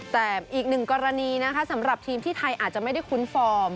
แต่อีกหนึ่งกรณีนะคะสำหรับทีมที่ไทยอาจจะไม่ได้คุ้นฟอร์ม